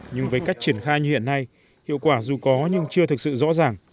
nhưng với cách triển khai như hiện nay hiệu quả dù có nhưng chưa thực sự rõ ràng